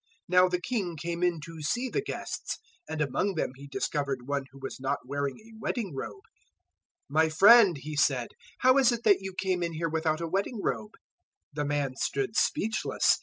022:011 "Now the king came in to see the guests; and among them he discovered one who was not wearing a wedding robe. 022:012 "`My friend,' he said, `how is it that you came in here without a wedding robe?' 022:013 "The man stood speechless.